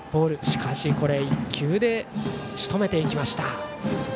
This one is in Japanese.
しかし１球でしとめていきました。